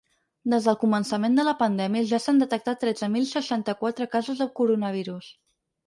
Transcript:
Des del començament de la pandèmia ja s’han detectat tretze mil seixanta-quatre casos de coronavirus.